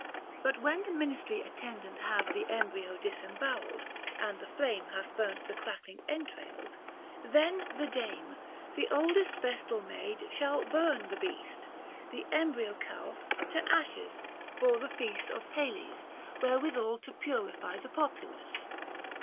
But when the ministry attendant have The embryo disemboweled, and the flame 730 Hath burnt the crackling entrails ; then the Dame. The oldest Vestal maid, shall burn the beast, The embryo calf, to ashes — for the feast Book IV. THE FASTI. 127 Of Pales — wherewithal to purify The populace.